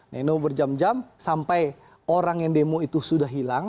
neno berjam jam sampai orang yang demo itu sudah hilang